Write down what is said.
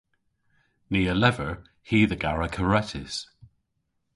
Ni a lever hi dhe gara karettys.